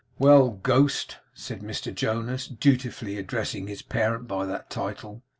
'Well, ghost!' said Mr Jonas, dutifully addressing his parent by that title.